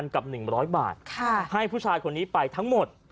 กับ๑๐๐บาทให้ผู้ชายคนนี้ไปทั้งหมด